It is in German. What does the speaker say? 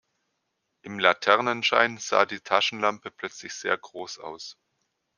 Im Laternenschein sah die Taschenlampe plötzlich sehr groß aus.